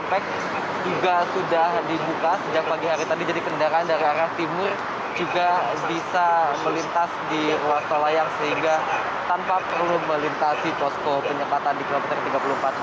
pagi hari tadi jadi kendaraan dari arah timur juga bisa melintas di ruas tol layang sehingga tanpa perlu melintasi tosko penyepatan di kilometer tiga puluh empat b